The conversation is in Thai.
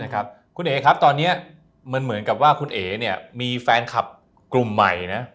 คุณเอ๋ครับตอนนี้มันเหมือนกับว่าคุณเอ๋มีแฟนคลับกลุ่มใหม่นะ